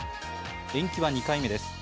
延期は２回目です。